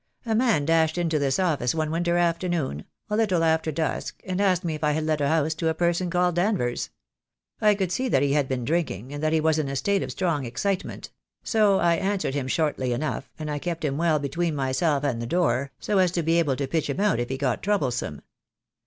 A man dashed into this office one winter afternoon, a little after dusk, and asked me if I had let a house to a person called Danvers? I could see that he had been drinking, and that he was in a state of strong excitement; so I answered him shortly enough, and I kept him well be tween myself and the door, so as to be able to pitch him out if he got troublesome.